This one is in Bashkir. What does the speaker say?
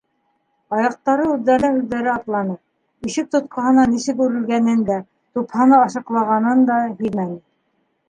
Аяҡтары үҙҙәренән-үҙҙәре атланы, ишек тотҡаһына нисек үрелгәнен дә, тупһаны ашаҡлағанын да һиҙмәне.